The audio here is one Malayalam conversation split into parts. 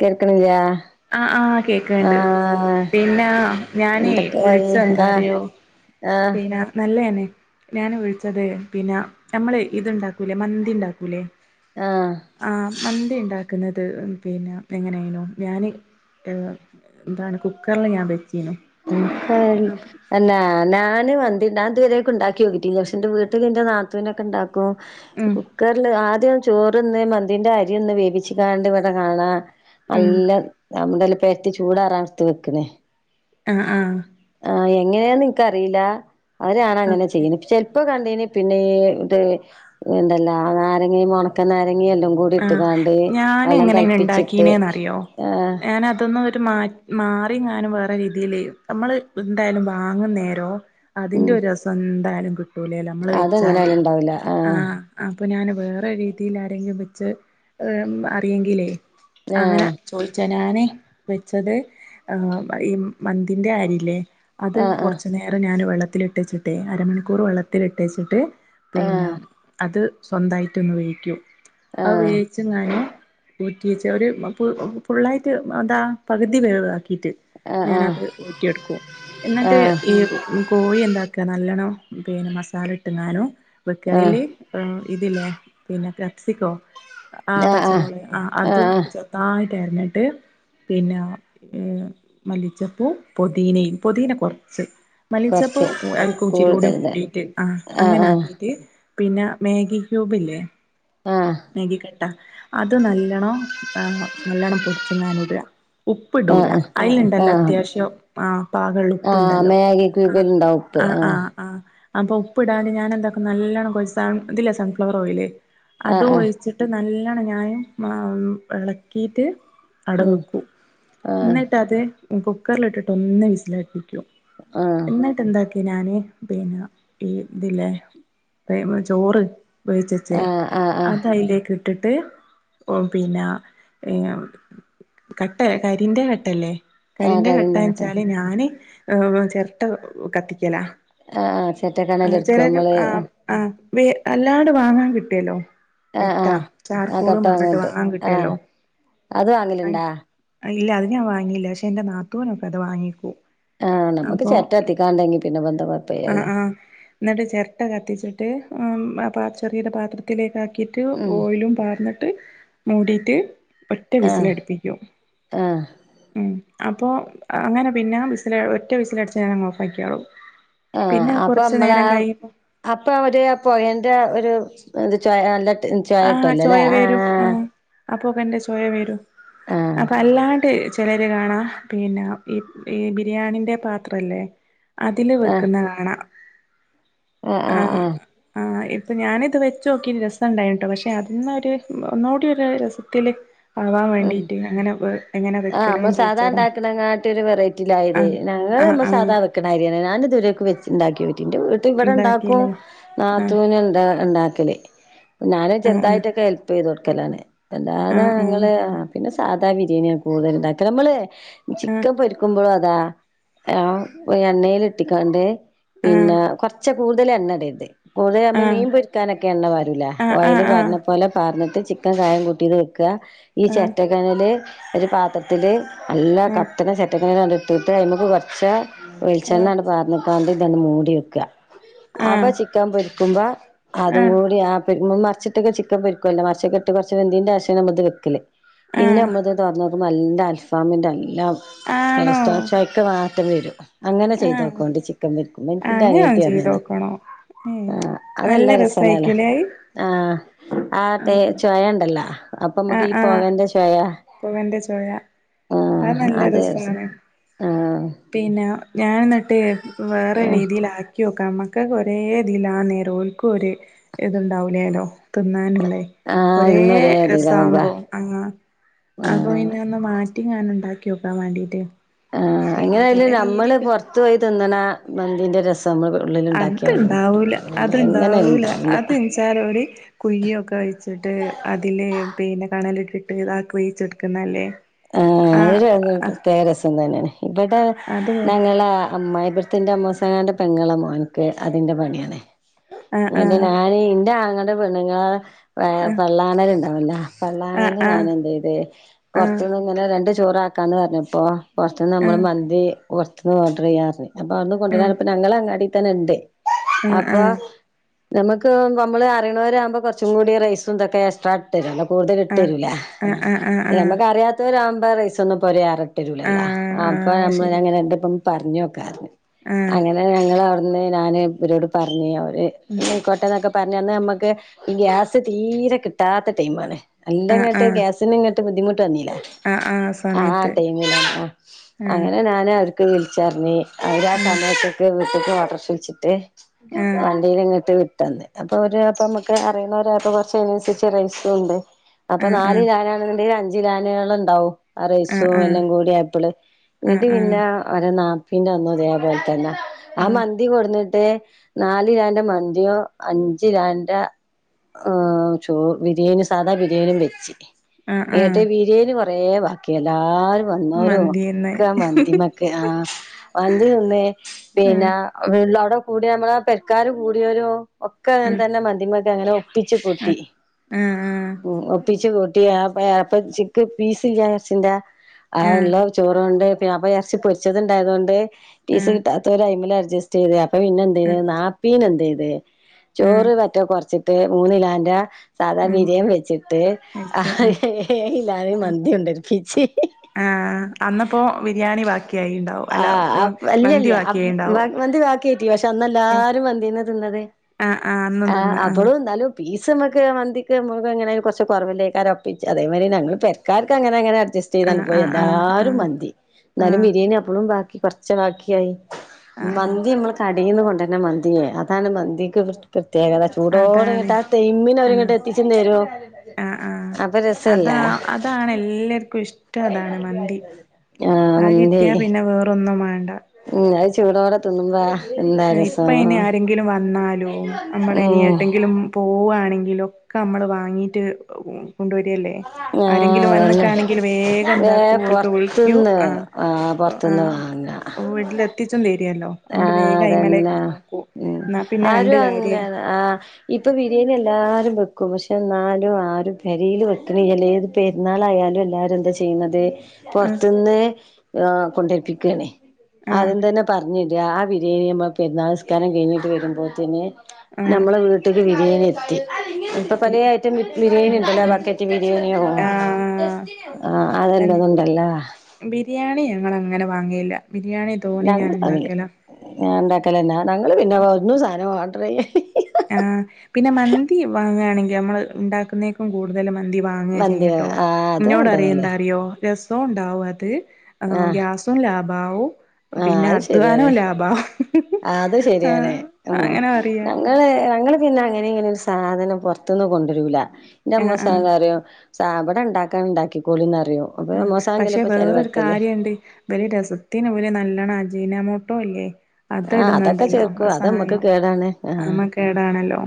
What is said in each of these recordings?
കേക്കണില്ലാ- ആഹ് ആ കേക്ക്ണ് ണ്ട്- പിന്നെ ഞാനേ എന്തൊക്കെയായി വിളിച്ച ആഹ് എന്താനറിയൊ ആഹ് പിന്നെ നല്ലതന്നെ- ഞൻ വിളിച്ചത് പിന്നെ നമ്മള് ഇത്ണ്ടാക്കൂലേ മന്തി ഉണ്ടാക്കൂലേ- ആഹ് ആ മന്തി ഉണ്ടാക്കുന്നത് പിന്നെ എങ്ങനെയായിനോ ഞാന്- ഏ എന്താണ് കുക്കറിൽ ഞാൻ വെ കുക്കറിൽ അല്ല ഞാൻ- വന്ണ്ടാ ഇവരെൊക്ക ഉണ്ടാക്കി നയിട്ട പക്ഷെ വീട്ടിൽ ന്റെ നാത്തൂനക്കെ ഉണ്ടാക്കും- ഉം കുക്കറിൽ ആദ്യ- ചോറന്ന് മന്തിന്റെ അരിയ ഒന്ന് വേവിച്ചച്ച് കണ്ട് ഇവിടെ കാണാം ഉം നല്ല നമ്മ- പരത്തി ചൂടാറാ ട്ത്ത് വെക്ക്ണേ ആഹ് ആഹ് - ആ എങ്ങനെന്ന് ഇൻക്ക റീല്ല അവരാണ് അങ്ങനെ ആണല്ലേ ചെയ്യ്ണ് ചെൽപ്പോ കൺ എന്തെനി പിന്നെ ത് എന്തെല്ലാ നാരങ്ങി ഒണക്ക ഇതങ്ങിയ എല്ലാം കൂടി ഇട്ട് ആഹ് കാണ്ട് വള്ളം തൾപ്പിച്ചിട്ട് ഏ നെ അതൊന്നും ഒര് മാ റിം ഞാനും വേറെ രീതില് നമ്മള് എന്തായാലും വാങ്ങുന്നേരം അതിന്റെ ഉം രസം ന്താലും കിട്ടൂലേലോനമ്മള് വെച്ചാല് അതങ്ങനെയാലും ഇണ്ടാവൂല ആ ആഹ് ആ പ്പോ ഞാന് വേറെര് രീതില് ആരെങ്കി വെച്ച് അറിയെങ്കിലേ അങ്ങനെ ചോയിച്ച ഞാന് വെച്ചത് ഈ മന്തിന്റെ അരില്ലേ അത് ആഹ് കുറച്ച് നേരം ഞാൻ വെള്ളത്തില്ട്ടച്ച്ട്ടേ അരമണിക്കൂർ വെള്ളത്തിലിട്ടച്ചിട്ട് ആഹ് പിന്നെ ആഹ് അത് സ്വന്തായിട്ടൊന്ന് വേവിക്കും അഹ് വേവിച്ച് ങ്ങാന് ഊറ്റിച്ച ഒരു ഫുള്ളായിട്ട് എന്താ പകുതി വേവാക്കി ക്കീട്ട് ആഹ് ആഹ് ഞാനത് ഊറ്റിയെടുക്കും ആഹ് ആഹ് ന്നട്ട് ആഹ് ഈ ക്കോഴി എന്താ ക്കാ നല്ലണം പിന്നെ മസാല ഇട്ട്ങ്ങാനോ വെക്ക അയില് ആഹ് ഇതില്ലേ പിന്നെ കപ്സിക്കോ ആ ആഹ് ആഹ് പച്ചമുള ആ ആഹ് അതും ആഹ് ചെർതായിട്ടര്ഞ്ഞിട്ട് പിന്നെ ഏർ മല്ലിച്ചപ്പും പൊതിനയും പൊതീന കൊർച്ച് മലിച്ചപ്പ് കൊറച്ച് അൻക്കം ഇച്ചിരൂടിം കൂടുതല് കൂടിട്ട് ആ ആഹ് അങ്ങനെ ആഹ് ആക്കീട്ട് പിന്നെ മേഗി ക്യൂബ്ല്ലേ ആ മേഗി കട്ട അത് നല്ലോണം നല്ലോണം പൊടിച്ച്ങ്ങാനും ഇടാ ഉപ്പ് ആഹ് ഇടൂല ആഹ് അയില് ണ്ടല്ലോ ആഹ് അത്യാവശ്യം ആ പാകള്ള ഉപ്പ് ആഹ് ണ്ടല്ലോ മാഗി ആ ക്യൂബില്ണ്ടാവും ഉപ്പ് ആ ആഹ് ആ ആഅപ്പ ഉപ്പ് ടാന് ഞാൻ എന്താക്കാ നല്ലോണ്ണം സ ഇതില്ലേ സൺഫ്ലവർ ഓയില് ആ ആ ട്ട് നല്ലണം ഞാന് ഇളക്കിയിട്ട് അടെ ഉം വെക്കും ആഹ് ന്നട്ട് അത് കുക്കറിൽ ഇട്ടിട്ട് ഒന്ന് വിസിലാടിപ്പി ക്കും ആഹ് ന്നട്ട് എന്താക്ക ഞാന് പിന്നെ ഈ ഇതില്ലേ ചോറ് വേഴിച്ച് വച്ചേ ആഹ് ആഹ് ആഹ് അത് ക്ക്ട്ടിട്ട് പിന്നെ കട്ടകരിന്റെ കട്ടല്ലേ ആഹ് കരിന്റെ കറിണ്ടാക്കട്ടെ കെട്ടെച്ചാല് ഞാന് ഏ ചിരട്ട കത്തിക്കലാ ആഹ് ആഹ് ആ ചേറ്റക്കണല് എടുക്കും ചെറിയൊരു നമ്മള് ആ ആ വേ അല്ലാണ്ട് വാങ്ങാൻ കിട്ടിയല്ലോ ആഹ് കട്ടാ ആഹ് ആഹ് ചാർക്കോളും കട്ട പറഞ്ഞ്ട്ട് അങ്ങോട്ട് വാങ്ങാൻ ആഹ് കിട്ടല്ലോ അത് വാങ്ങലുണ്ടാ ആ ഇല്ല അത് ഞാൻ വാങ്ങയില്ല പക്ഷേ ഇന്റെ നാത്തൂനൊക്കെ അത് വാങ്ങിക്കും ആഹ് നമ്മുക്ക് അപ്പൊ ചേറ്റ കത്തിക്കാണ്ടെങ്കി പിന്നെ ഇപ്പെന്താ ആ കൊഴപ്പയ്യല്ല ആഹ് ന്നട്ട് ചെരട്ട കത്തിച്ചി ട്ട് ആ പാ ചെറിയ രു പാത്രത്തിലേക്ക് ആക്കിയിട്ട് ഉം ഓയിലും പാർന്ന്ട്ട് മൂടിട്ട് ഒറ്റ ആഹ് വിസില അടിപ്പിക്കും ആഹ് ഉം അപ്പോ അങ്ങനെ പിന്നെ വിസിലാ ഒറ്റ വിസില് അടിച്ചാ ഞാനാട്ട്ഓഫാക്കി യാ ളും ആ അപ്പൊ നമ്മള അപ്പൊ ഒര് പുകേന്റെ ഒ ര് ത് ചോയ നല്ല ചൊയട്ടല്ലോല്ലേ ആ ആ പൊകന്റെ ചോയ വരൂ അപ്പൊ അല്ലാണ്ട് ചിലര് കാണാ പിന്നെ ഈ ഈ ബിരിയാണിന്റെ പാത്ര ല്ലേ അതില് ആഹ് വെക്കുന്ന കാണാം ആഹ് ആ ആഹ് ആഹ് ആ ഇപ്പ ഞാനിത് വെച്ചോ ക്കീണ് രസണ്ടായി പക്ഷെ അത് ന്നെര് ഒന്നൂടി ര് രസത്തില് ആവാൻ ഉം വേണ്ടിട്ട് അങ്ങനെ എങ്ങനെ ആ നമ്മ വെക്കല്ന്ന് സാധാ ചോദിച്ചതാ ഉണ്ടാക്കണെക്കാട്ടി ഒരു വെറൈറ്റിയിലായിതേ ആഹ് ഞ ഞാ ആഹ് നമ്മ ആഹ് സാധാ വെക്കണ അരിതന്നെയാ ഞാനിതുവരേയ്കും വെച് ഇണ്ടാക്കിയോ ക്കി ന്റെ വീട്ട് ഇവിടെ ഇണ്ടാക്കും ഉണ്ടാക്കില്ലേ ആഹ് നാത്തുന് ഇണ്ട ഇണ്ടാക്കല് ഞാന് ആഹ് ചെറുതായിട്ടൊക്കെ ഹെല്പ് ചെയ്ത് കൊടുക്കലാണ് അല്ലാതേ ആഹ് ഞങ്ങള് പിന്നെ സാദാ ബിരിയാണിയാ കൂടുതലൊണ്ടാക്കല്, നമ്മള് ആഹ് ചിക്കൻ പൊരിക്കുമ്പോഴോ ആ ആ എണ്ണേല് ഇട്ടിക്കോണ്ട് പിന്നെ ആഹ് കൊറച്ച്‌ കൂടുതൽ എണ്ണയിടരുത് കൂടുതൽ നമ്മ മീൻ പൊരിക്കാനൊക്കെ എണ്ണ പകരൂലേ ഓയില് ആഹ് ആഹ് ആഹ് പകരണ പോലെ പകർന്നിട്ട് ചിക്കൻ കായം കൂട്ടീത് വെക്കുക, ഈ ആഹ് ചിരട്ടക്കനല് ഒരു പാത്രത്തില് നല്ല കത്തണ ചിരറ്റക്കനല് കണ്ട് അതിന്മേലേക്കു കൊറച്ച വെളിച്ചെണ്ണ അങ്ങോട്ട് പാർന്നിട്ടാണ്ട് ഇതന്ന് മൂടി വെക്ക ആഹ് ആഹ് ആഹ് ആഹ് അപ്പൊ ആഹ് ആഹ് ചിക്കൻ പൊരിക്കുമ്പോ അതും ആഹ് കൂടി ആ പെ ച്ചിട്ടൊക്കെ ചിക്കൻ പൊരിക്കുവല്ലോ മാറിച്ചൊക്കെയിട്ട് കുറച്ച് വെന്തേന്റെഷം നമ്മൾത് വെക്കല് പിന്നെ ആഹ് നമ്മൾന്താന്ന് പർഞ്ഞ നല്ല അൽഫാമിൻ്റെ നല്ല ആണോ ടേസ്റ്റ പക്ഷേ അതിലേക്ക് മാറ്റം വരും അങ്ങനെ ആഹ് ചെയ്തോക്കോണ്ട് ചിക്കൻ പൊരിക്കുമ്പോ എനിക്കിൻ്റെ അങ്ങനൊന്ന് അനിയത്തിയ പറഞ്ഞുതന്നാ ചെയ്തോക്കണോ ഏഹ് ആ നല്ല അതല്ല രസാണ അല്ലെ രസായിക്കൂലേ ആ ആ തേ ചോയണ്ടല്ലോ അപ്പൊ നമ്മുക്കീ ആ [unintelligible] ചോവയാ അത് ആഹ് നല്ല രസം രസാണ്. ആഹ് പിന്നെ ഞാനെന്നിട്ട് വേറെ രീതിൽ ആ ക്കി നോക്കാം, നമ്മക്കോരേ ഇതിൽ ആന്നേ ഓൽക്കും ഒരു ഇതുണ്ടാവൂലേല്ലോ തിന്നാനും ല്ലേ ആഹ് ഒരേ ഇന്ന് ഇതിലാവുമ്പോ രസാമ്പോ അങ്ങ്, ആഹ് അപ്പൊപ്പിന്നെ ഒന്ന് മാ റ്റി ഞാൻ ഉണ്ടാക്കിനോക്കാൻ വേണ്ടീട്ട് ആ പിന്നെ പല എങ്ങനായാലും നമ്മള് രീതിക്ക് പുറത്തു പോയി തിന്നണ മന്തീന്റെ രസം നമ്മള് ഉള്ളിലുണ്ടാക്കിയാലും അത്ണ്ടാവൂല കിട്ടൂല എങ്ങനായാലും അത്ണ്ടാവൂല ഉണ്ടാവൂല അതെന്നെച്ചാലവര് കുഴിയൊക്കെയിച്ചു ന്നട്ട് അതില് പിന്നെ കനലിട്ടിട്ട് ഇതാക്കി വേവിച്ചെടുക്കുന്നല്ലേ ആ അവര് അത് ഒരു പ്രത്യേക രസം തന്നെയാണ് ഇവിടെ അത് ഞങ്ങള അമ്മായി ന്റെമ്മൂസങ്ങന്റെ പെങ്ങളെ മോന്ക്ക് അതിന്റെ പണിയാണ് ആ എന്നിട്ട് ആ ഞാന് എന്റെ ആങ്ങള ടെ പെണ്ണുങ്ങൾ ആഹ് പള്ളാണൽ ഉണ്ടാവില്ല ആഹ് പള്ളാണല് ഞൻ എന്ത ചെയ്ത് പൊറ ആഹ് ത്തുന്ന് ഇങ്ങനെ രണ്ട് ചോറാക്കാന്നു പറഞ്ഞപ്പോ പൊറത്തുന്നു നമ്മൾ ആഹ് മന്തി പൊർത്തുന്നു ഓർഡർ ചെയ്യാപറഞ്ഞു. അപ്പൊ അന്ന് ആഹ് കൊണ്ടുവരാന്ന് പറഞ്ഞപ്പോ ഞങ്ങളങ്ങാടിത്തന്നെ ഉണ്ട് ആഹ് അപ്പൊ ആഹ് നമുക്ക് നമ്മളെ അറിയണവരാകുമ്പോ കൊറച്ചും കൂടി റൈസുംതൊക്കെ എക്സ്ട്രാ ഇട്ട് തരുല്ലോ. കൂടുതൽ ഇട്ടു ആഹ് തരൂല്ല ആഹ് ആഹ് ആഹ് നമുക്കറിയാത്ത വരാവുമ്പോ റൈസൊന്നുപ്പോര തരൂല്ലല്ലോ ആഹ് ആഹ് ആഹ് അപ്പൊ ആഹ് അത് ശരി നമ്മളങ്ങനെ എന്റൊപ്പും പറഞ്ഞ് വെക്കാറുണ്ട് ആഹ് അങ്ങനെ ഞങ്ങള് എന്ന് ഞാന് ഇവരോട് പറഞ്ഞ് അവര് ഉം നോക്കട്ടന്നൊക്കെ പറഞ്ഞന്ന് നമുക്ക് ഈ ഗ്യാസ് തീരെ കിട്ടാത്ത ടൈമാണ് ആഹ് എല്ലാംങ്ങോട്ട് ആഹ് ഗ്യാസിനങ്ങട് ബുദ്ധിമുട്ട് വന്നില്ലേ ആഹ് ആഹ് ആ സമയത്ത് ടൈമിലാണ് ആഹ് അങ്ങനെ ഞാന് അവർക്ക് വിളിച്ചറഞ്ഞ് അവര് ആ ആഹ് സമയത്തൊക്കെ വീട്ടക്ക് ഓട്ടോറിക്ഷ പിടിച്ചിട്ട് ആഹ് വണ്ടീയിലങ്ങിട്ട് വിട്ട് തന്ന് അപ്പൊ ഓരു അപ്പ നമുക്ക് അറിയുന്നവരായപ്പോ കുറച്ചു അതിനനുസരിച്ച് റൈസും ഉണ്ട്. അപ്പൊ ആഹ് നാല് ആഹ് കാനാണെന്നുണ്ടെങ്കിൽ അഞ്ചു കാനുകളുണ്ടാവും. ആ ആഹ് റൈസും ആഹ് എല്ലാം ആഹ് കൂടി ആയപ്പള് ആഹ് ഇന്നിട്ടു ആഹ് പിന്നെ ഓരന പിന്നെ ഒന്നു ഇതേ പോലെ തന്നെ ആ ആഹ് മന്തി കൊണ്ടന്ന് ട്ട് നാല് കാലിന്റെ മന്തിയോ അഞ്ച് കാലിന്റെ ആ ചോ ബിരിയാണി സാധാ ബിരിയാണിയും വെച്ച് ആഹ് ഏട്ടേ ബീര്യണി കൊറെ ബാക്കി എല്ലാരും വന്നോരും മന്തിയെന്ന് ഒകെ മന്തിമേക്കെ ആ മന്തിതിന്നെ ആഹ് പിന്നെ അവിടെ കൂടി നമ്മളെ പെക്കാർ കൂടിയരു ഒക്കെ അങ്ങനെ ആഹ് തന്നെ മന്തിമ്മേക്കെ അങ്ങനെ ഒപ്പിച്ച് ആഹ് കൂട്ടി ആഹ് ഉം ആഹ് ഒപ്പിച്ച് കൂട്ടി ആ അപ്പ ആപ്പ ചിക്ക് പീസില്ല ഇറച്ചിന്റെ ആ ആഹ് ഉള്ള ചോറ് കൊണ്ട് പിന്നെ അപ്പ ഇറച്ചി പൊരിച്ചത് ഉണ്ടായത് കൊണ്ട് ആഹ് പീസ് ആഹ് കിട്ടാത്തോരയിമ്മേല് അഡ്ജസ്റ്റ് ചെയ്ത് അപ്പൊ പിന്നെ എന്ത് ചെയ്ത് നാത്തൂനന്ത് ചെയ്ത് ആഹ് ചോറ് വറ്റെ കൊർച്ചിട്ട് മൂന്നിലാന്റെ സാദാ ആഹ് ബിര്യേം വെച്ചിട്ട് ല്ലാ ഉം ആ ആ അന്നപ്പോ ബിരിയാണി വ ആ അ അല്ലല്ല ബാക്കിയായിണ്ടാവും മന്തി ബാക്കിറ്റി പക്ഷെ അന്ന എല്ലാരും മന്തിന്ന തിന്നത് ആഹ് ആഹ് അന്നും ആ തിന്ന് അപ്പോളും എന്താലും പീസ് നമക്ക് മന്തിക്ക് മുക്കങ്ങനെ കുറച്ച് കുറവില്ലേക്കെ ഒപ്പച്ച് അതേ മതിരി ഞങ്ങൾ പെരക്കാർക്ക് അങ്ങനെ അങ്ങനെ ജസ്റ്റയ്താണ്ട് ആഹ് പോയി ആഹ് ആഹ് എല്ലാരും ആഹ് മന്തി എന്നാലും ബിരിയേണി ബാക്കി കൊറച്ച് ബാക്കി ആയി. ആഹ് ആഹ് ആഹ് ആഹ് മന്തി മ്മള് ക ടീന്ന് കൊണ്ടര്ന മന്തിയെ അതാണ് മന്തിക്ക് [unintelligible] പ്രത്യേകത ചൂടോടെ അതാണ് ഇങ്ങട്ട് ആ ടൈമിന് അവരിങ്ങോട്ട് എത്തിച്ചും തരും. ആ ആ അപ്പൊ അതാ രസല്ലേ അതാണ് എല്ലര്ക്കും ഇഷ്ടം അതാണ് മന്തി. ആഹ് അത് കിട്ടിയാ പിന്നെ വേറൊന്നും മാണ്ട. ഞഅ് ചൂടോടെ തിന്നുമ്പാ ഇപ്പയ്ന് ആരെങ്കിലും വന്നാലും നമ്മൾ ഇനി ഉം ഏട്ടെങ്കിലും പോവാണെ ങ്കിലൊക്കെ നമ്മള് വാങ്ങീട്ട് കൊണ്ടോരല്ലേ. ആഹ് ആരെങ്കിലും അതന്നെ വന്ന്ക്കാണെങ്കിൽ വേഗം എന്താക്കൂ ഏ ഓൽക്ക് വിളിക്യൂ പൊറത്തുന്ന് ആ ആ പൊറത്തുന്ന് വാങ്ങ ഓ വീട്ടിൽ എത്തിച്ചും തരിയല്ലോ അതോണ്ട് വേഗ തന്നെ. ഉം ആരും കാര്യ അങ്ങന ആ ഇപ്പൊ ബിര്യേണി എല്ലാ രും വെക്കും. പക്ഷെ എന്നാലും ആ ഒരു പെരീൽ വെ ക്ക്ണില്ലലേ ഏത് പെരുന്നാൾ ആയാലും എല്ലാരും എന്താ ചെയ്യുന്നത് ആ പൊറത്ത്ന്ന് ആഹ് കൊണ്ടര്പ്പിക്കാണേ ആ ആദ്യം തന്നെ പർഞ്ഞ് രാ ആ വിര്യേണി നമ്മൾ പെരുന്നാള്‍ നിസ്കാരം കഴിഞ്ഞിട്ട് വരുമ്പോത്തിന് ആ നമ്മളെ വീട്ടില് ബിര്യേണി എത്തി. ഇപ്പൊ എത്തി പലേ ഐറ്റം ബിരിയാണി ഉം ഇണ്ടല്ലോ ഉം ബക്ക റ്റ് ബിരിയാണ്യും ആ ആ അതെല്ലതുംണ്ടല്ലോ. ഞാനങ്ങനെ വാങ്ങേല്ല. ബിരിയാണി തോനിം ഞാൻ ഞങ്ങൾ അങ്ങനെ ഇണ്ടാക്കലാ. ഞാൻ ഉണ്ടാക്കലന്നാ ഞങ്ങള് പിന്നെ ഒന്നും സാനം ഓർഡർ യ്യ് ആ പിന്നെ മന്തി വാങ്ങാണെങ്കി നമ്മള് ഉണ്ടാക്കുന്നേക്കും കൂടുതല് മന്തി വാങ്ങ മന്തി ചെയ്യട്ടോ. ആഹ് അത് ഇന്നോട റിം അതല്ലേ എന്താ അറിയോ രസവും ഉണ്ടാവും അത് ആഹ് ഗ്യാസും ലാഭാവും. ആഹ് പിന്നെ അത് അധ്വാനോ ശരിയാണ് ലാഭാ. അത് ശരിയാണ്. ഉം പറയാ ഞങ്ങള് ഞങ്ങൾ പിന്നെ അങ്ങനിം ഇങ്ങനിം ഒരു സാധനം പൊറത്ത്ന്ന് കൊണ്ടരൂല. ഇന്റെ ആഹ് ആഹ് അമ്മോശൻകാക്ക റിയും സാ ബട ഇണ്ടാക്കാണെണ്ടാക്കിക്കോളി ന്നറിം. ആ പക്ഷെ വേറൊരു കാര്യണ്ട് വല്യ രസത്തിന് ഇവര് ന ല്ലണം അജീനമോട്ടോ ഇല്ലേ. അത് ആഹ് അതൊക്കെ ഇടുന്നുണ്ടല്ലോ ആ ചേർക്കും അത് നമ്മക്ക് സാനോം കേടാണ് അ ആഹ് മ്മ കേടാണല്ലോ.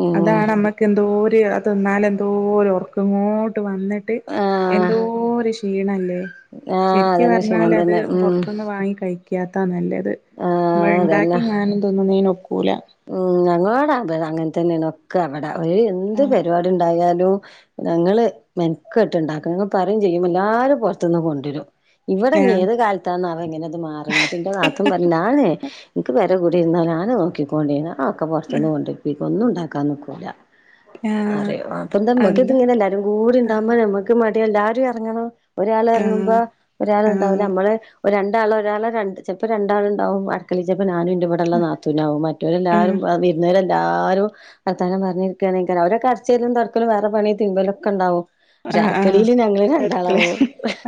ഉം അതാണ് നമ്മക്ക് എന്തോ ര് അ തിന്നാല് എന്തോരറക്കങ്ങോട്ട് വന്നിട്ട് ആഹ് എന്തോ ക്ഷീണല്ലേ. ആഹ് ശരിക്ക് അതന്നെ പറഞ്ഞാൽ ക്ഷീണം അത് തന്നെ ഉം പുറത്ത്ന്ന് വാങ്ങി കഴിക്കാത്തതാ നല്ലത്. നമ്മൾ ആഹ് അതന്നെ ഇണ്ടാക്കിങ്ങാനും തിന്നുന്നെന് ഒക്കൂല. ഉം ഞങ്ങളോടാ അത് അങ്ങൻ തന്നേണ് ഒക്കെ അവിടെ ഒരു എന്ത് ആ പരിപാടി ഉണ്ടായാലും ഞങ്ങള് മെൻക്കട്ട് ഇണ്ടാക്കും. ങ്ങള് പറിം ചെയ്യും എല്ലാരും പുറത്തുന്ന് കൊണ്ടരും. ഇവടെ ആ ഞ്ഞ് ഏത് കാലത്താന്നാവം ഇങ്ങനെ ഇത് മാറണത്. അപ്പി ന്റെ നാത്തൂന്‍ പറിം ഞാനെ ഇന്‍ക്ക് പെര കുടിര്ന്നാ ഞാന് നോക്കിക്കൊണ്ടി ഞാ ഒക്കെ പൊറത്ത്ന്ന് കൊണ്ടര്പ്പിക്കും. ഒന്നും ഉണ്ടാക്കാൻ നിക്കൂല. ആ അറിയും അപ്പൊ ആ എന്തമ്മക്ക് എന്താ ഇത്ങ്ങനെ എല്ലാരും കൂടിണ്ടാവുമ്പോ ഞമ്മക്ക് മ ടിയാ. എല്ലാരും എറങ്ങണം. ഒരാൾ ആ ഇറങ്ങുമ്പോ ഒരാൾ ആ ഉണ്ടാവില്ല നമ്മള് ഒരു ര രണ്ടാള് ഒരാൾ രണ്ട് ചെൽപ്പൊ രണ്ടാള് ഇണ്ടാവും അട്ക്കളീ ചെൽപ്പോ ഞാനും ന്റെ ഇവിടെ ഉള്ള നാത്തുനാവും മ ആ എല്ലാരും അ വിര്ന്ന രെല്ലാരും വർത്താനം പറഞ്ഞിരിക്കാണേക്കാരം ഓരൊക്ക അട്ച്ചെരലും തൊട്ക്കലും വേറെ പണി തിര്മ്പലൊക്കെണ്ടാവും. ക്ഷെ ആഹ് ആഹ് അടക്കളിയില് ഞങ്ങള് അടുക്കളെ രണ്ടാളാവോ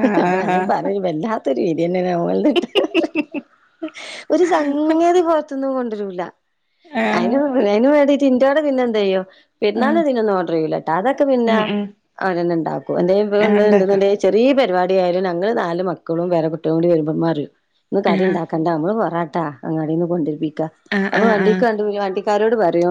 ആഹ് അപ്പൊ ഞങ്ങൾ ആഹ് പറയും വല്ല ഒരു രീതി തന്നെ ആവൂലേ ഒരു സംഗതി പോറത്തന്നും കൊണ്ടുവരൂല ആഹ് ആഹ് അയിന് അയിന് വേണ്ടീട്ട് ഇൻ്റോടെ പിന്നെ എന്ത് ചെയ്യോ ആഹ് പെരുന്നാളിന് ഇതിനൊന്നും ഓഡറെയ്യൂല്ലട്ടാ അതൊക്കെ പിന്നെ ഉം ഉം അവരെന്നെ ഇണ്ടാക്കും. അല്ലേ ഇവടെ ഞാൻ ഉണ്ടാക്കാം ഇണ്ട്ന്ന്ണ്ടെങ്കി ചെറിയ പരിവാ ടി യായാലും ഞങ്ങൾ നാല് മക്കളും പേരകുട്ടിയേളും കൂടി വരുമ്പം ഇമ്മ പറയും ഇന്ന് കടി ആഹ് ഉണ്ടാക്കണ്ട മ്മള് പൊറാ ട്ടാ അങ്ങാടിന്ന് കൊണ്ടിരിപ്പിക്കാ ആഹ് അപ്പൊ ആഹ് വണ്ടിക്ക് ആഹ് കണ്ട വണ്ടിക്കാരോട് പറയോ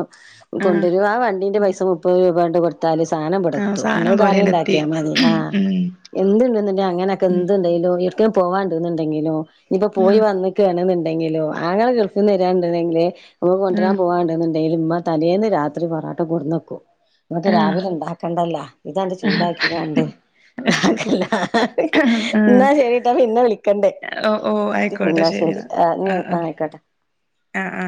ആഹ് കൊണ്ടുവരും ആ വണ്ടീന്റെ പൈസ മുപ്പത് രൂപ ണ്ട് കൊടുത്താല് സാനം ആഹ് ഇവിടെത്തും നമ്മള് സാധനം കറി പോലെയാണ് എത്തി ഉണ്ടാക്കിയാ മതീലോ ആ ഉം എന്തുണ്ടണ്ട് അങ്ങനെക്കെ എന്തുണ്ടെലോ പോവാണ്ടന്നുണ്ടെങ്കിലോ ഇനിപ്പോ പോയി ആഹ് വന്നക്കണ്ന്ന് ണ്ടങ്കിലോ ആങ്ങള ഗൾഫിൽന്ന് വരാണ്ടെന്നങ്കില് നമുക്ക് കൊണ്ട്രാൻ ആഹ് പോവാണ്ട് ണ്ടെങ്കില് ഇമ്മാ തലേന്ന് രാത്രി പൊറാട്ടാ കൊടുന്നക്കും മ്മക്ക് ആഹ് രാവിലെ ഉണ്ടാക്കണ്ടല്ല ഇതാണ്ട് ചൂടാക്കി കാണ്ട് അത് ശരി നാക്കല്ല ആഹ് എന്നാ ശരിട്ടോ പിന്നെ വിളിക്കണ്ട് ഓ ഓ ആയിക്കോട്ടെ ശരി എന്നാ ആ ആ ആ ആ